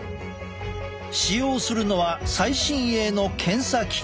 使用するのは最新鋭の検査機器。